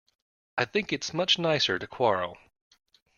I think it's much nicer to quarrel.